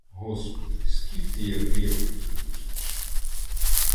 Господи, скільки я мріяв про цю зустріч.